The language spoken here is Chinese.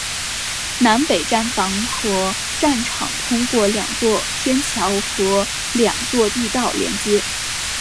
南北站房和站场通过两座天桥和两座地道连接。